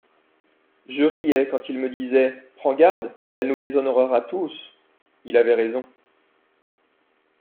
Je riais, quand il me disait : «Prends garde, elle nous déshonorera tous.» Il avait raison.